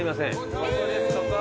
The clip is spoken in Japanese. ここですここ。